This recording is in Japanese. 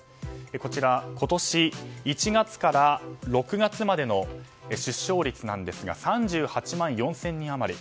こちら、今年１月から６月までの出生率なんですが３８万４０００人余り。